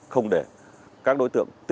không để các đối tượng bị phá hủy